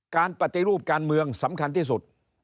การปฏิรูปการเมืองสำคัญที่สุด